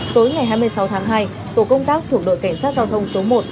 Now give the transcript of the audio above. tối ngày hai mươi sáu tháng hai tổ công tác thuộc đội cảnh sát giao thông số một